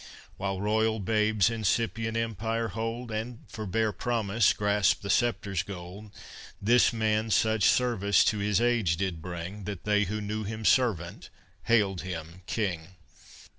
While royal babes incipient empire hold, And, for bare promise, grasp the sceptre's gold, This man such service to his age did bring That they who knew him servant, hailed him king.